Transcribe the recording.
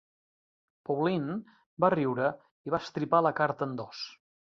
Pauline va riure, i va estripar la carta en dos.